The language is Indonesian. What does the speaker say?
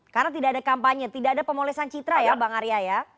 karena tidak ada kampanye tidak ada pemolesan citra ya bang arya ya